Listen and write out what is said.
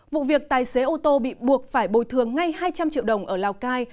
vụ việc tài xế ô tô bị buộc phải bồi thường ngay hai trăm linh triệu đồng ở lào cai